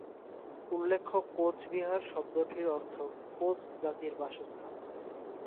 উল্লেখ্য, "কোচবিহার" শব্দটির অর্থ "কোচ জাতির বাসস্থান"।